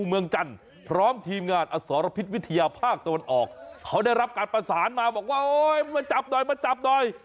เพราะไม่ได้มาแค่ตัวเดียวมาเพียบ